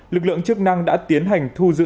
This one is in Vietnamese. lực lượng chức năng đã tiến hành thu giữ